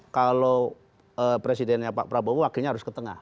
kalau presidennya pak prabowo wakilnya harus ke tengah